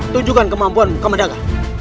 tujukan kemampuan kamandaka